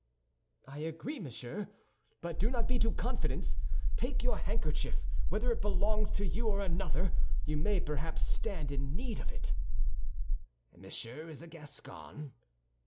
"I agree, monsieur; but do not be too confident. Take your handkerchief; whether it belongs to you or another, you may perhaps stand in need of it." "Monsieur is a Gascon?"